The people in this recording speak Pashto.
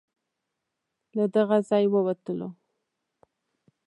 له دغه ځای ووتلو.